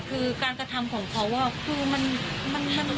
คือการกระทำของเขาว่ามันเกินหนัง